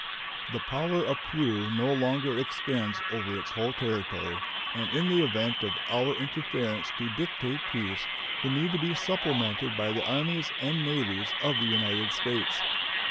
The power of Peru no longer extends over its whole territory, and in the event of our interference to dictate peace would need to be supplemented by the armies and navies of the United States.